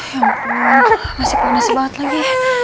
ya ampun masih panas banget lagi ya